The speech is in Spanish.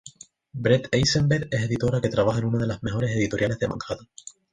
Brett Eisenberg es editora que trabaja en una de las mejores editoriales de Manhattan.